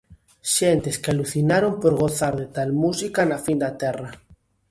Xentes que alucinaron por gozar de tal música na fin da terra.